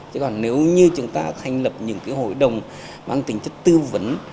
chứ còn nếu như chúng ta thành lập những hội đồng bằng tính chất tư vấn